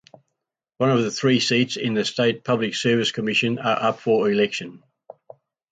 One of three seats in the state Public Service Commission are up for election.